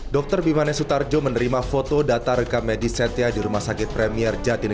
dr bimanes sutarjo menerima foto data rekam medis setia di rumah sakit premier jatinega